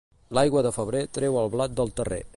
L'aigua de febrer treu el blat del terrer.